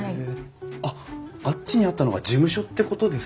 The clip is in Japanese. あっあっちにあったのが事務所ってことですか？